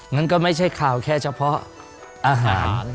นั่นก็ไม่ใช่ข่าวแค่เฉพาะอาหาร